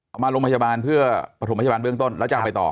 เอามาโรงพยาบาลเพื่อประถมพยาบาลเบื้องต้นแล้วจะเอาไปต่อ